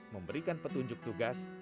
memberikan petunjuk tugas